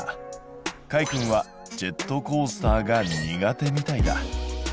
かいくんはジェットコースターが苦手みたいだ。